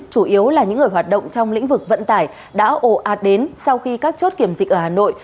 chủ yếu là những người hoạt động trong lĩnh vực vận tải đã ồ ạt đến sau khi các chốt kiểm dịch ở hà nội